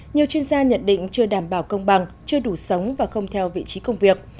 nhiều chuyên gia nhận định chưa đảm bảo công bằng chưa đủ sống và không theo vị trí công việc